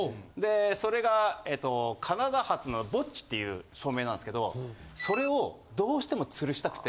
それがカナダ発のボッチっていう照明なんすけどそれをどうしても吊るしたくて。